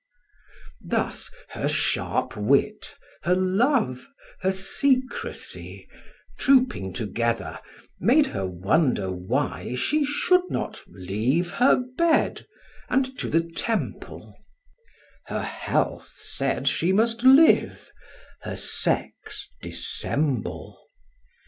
Thus, her sharp wit, her love, her secrecy, Trooping together, made her wonder why She should not leave her bed, and to the temple; Her health said she must live; her sex, dissemble.